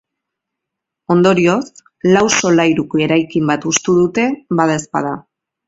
Ondorioz, lau solairuko eraikin bat hustu dute, badaezpada.